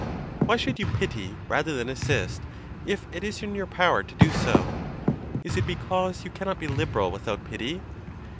Why should you pity rather than assist, if it is in your power to do so? Is it because you cannot be liberal with out pity?